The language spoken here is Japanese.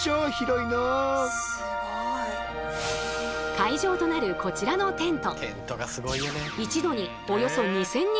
会場となるこちらのテント。